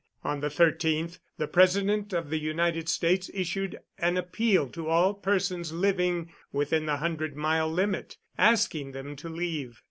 On the 13th the President of the United States issued an appeal to all persons living within the hundred mile limit, asking them to leave.